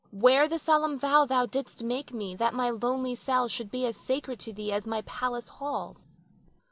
Where the solemn vow thou didst make me that my lonely cell should be as sacred to thee as my palace halls?